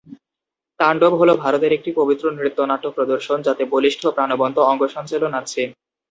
তাণ্ডব হল ভারতের এক পবিত্র নৃত্য-নাট্য প্রদর্শন, যাতে বলিষ্ঠ, প্রাণবন্ত অঙ্গ সঞ্চালন আছে।